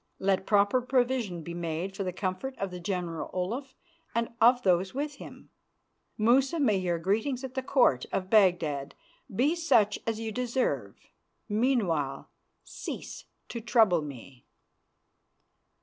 Let proper provision be made for the comfort of the General Olaf and of those with him. Musa, may your greetings at the Court of Baghdad be such as you deserve; meanwhile cease to trouble me."